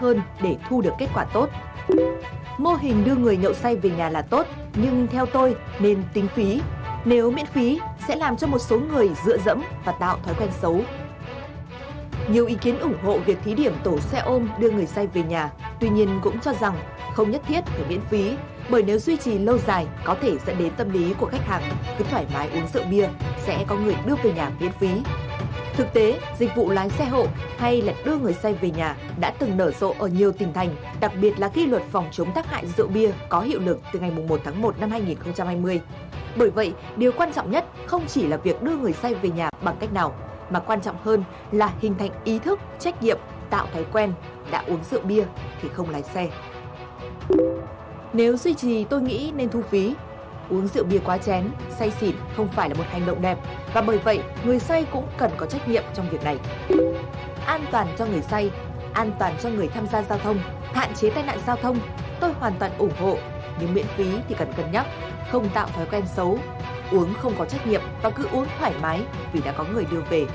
hạn chế tai nạn giao thông tôi hoàn toàn ủng hộ nhưng miễn phí thì cần cân nhắc không tạo thói quen xấu uống không có trách nhiệm tôi cứ uống thoải mái vì đã có người đưa về